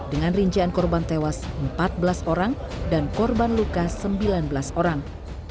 dengan rincian korban tewas empat belas orang dan korban luka sembilan belas orang